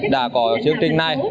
đã có chương trình này